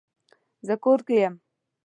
زه کور کې یم